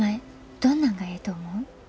どんなんがええと思う？